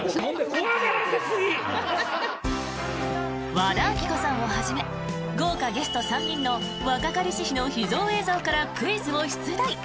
和田アキ子さんをはじめ豪華ゲスト３人の若かりし日の秘蔵映像からクイズを出題。